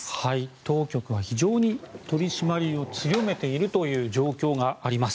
当局は非常に取り締まりを強めているという状況があります。